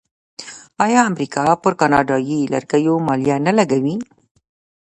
آیا امریکا پر کاناډایی لرګیو مالیه نه لګوي؟